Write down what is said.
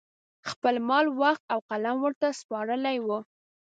خپل مال، وخت او قلم ورته سپارلي وو